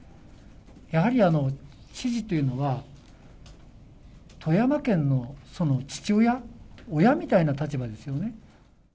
やはり知事というのは、富山県の父親、親みたいな立場ですよね。